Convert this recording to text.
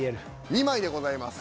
２枚でございます。